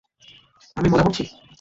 আমি মজা করছি?